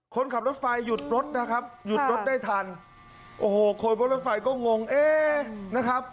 คนขับรถไฟหยุดรถนะครับหยุดรถได้ทันโอ้โหคนบนรถไฟก็งงเอ๊ะนะครับ